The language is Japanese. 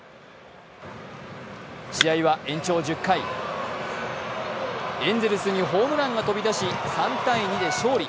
試合は延長１０回、エンゼルスにホームランが飛び出し３−２で勝利。